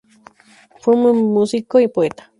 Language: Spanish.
Fue un buen músico y poeta.